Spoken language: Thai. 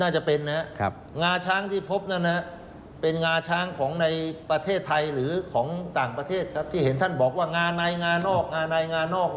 น่าจะเป็นนะครับงาช้างที่พบนั้นเป็นงาช้างของในประเทศไทยหรือของต่างประเทศครับที่เห็นท่านบอกว่างาในงานอกงาในงานอก